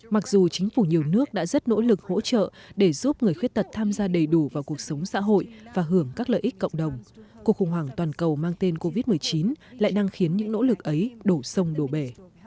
mặc dù chính phủ nhiều nước đã rất nỗ lực hỗ trợ để giúp người khuyết tật tham gia đầy đủ vào cuộc sống xã hội và hưởng các lợi ích cộng đồng cuộc khủng hoảng toàn cầu mang tên covid một mươi chín lại đang khiến những nỗ lực ấy đổ sông đổ bể